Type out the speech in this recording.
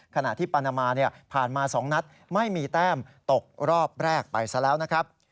ขณะที่ปานามาผ่านมา๒นัดไม่มีแต้มตกรอบแรกไปซะแล้วนะครับ